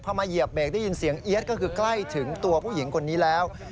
พอมาเหยียบเบรกได้ยินเสียงเอี๊ยดก็คือใกล้ถึงตัวผู้หญิงคนนี้แล้ว